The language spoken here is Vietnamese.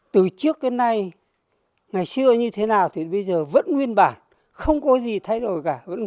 từ trước đến nay ngày xưa như thế nào thì bây giờ vẫn nguyên bản không có gì thay đổi cả